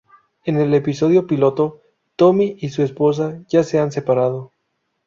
En el episodio piloto, Tommy y su esposa ya se han separado.